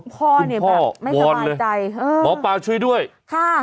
พ่อมันคิดว่าไม่สบายใจมภาช่วยด้วยค่ะ